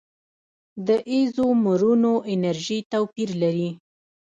د ایزومرونو انرژي توپیر لري.